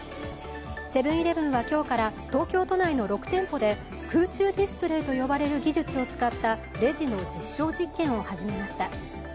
セブン−イレブンは今日から東京都内の６店舗で空中ディスプレイと呼ばれる技術を使ったレジの実証実験を始めました。